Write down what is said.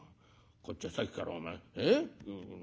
こっちはさっきからお前ええ？